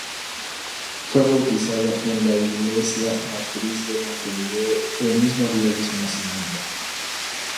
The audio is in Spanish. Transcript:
Fue bautizado en la Iglesia Matriz de Montevideo el mismo día de su nacimiento.